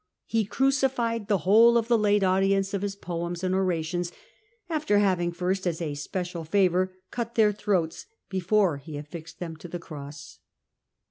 He crucified the whole of the late audience of his poems and orations, after having first, as a special favour, cut their throats before he affixed them to the cross.